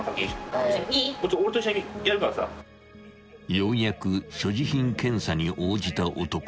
［ようやく所持品検査に応じた男］